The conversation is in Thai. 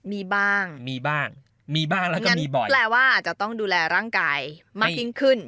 มีบ้างมีบ้างมีบ้างแล้วกันแปลว่าอาจจะต้องดูแลร่างกายมากยิ่งขึ้น